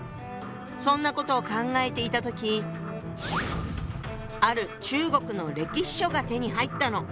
そんなことを考えていた時ある中国の歴史書が手に入ったの。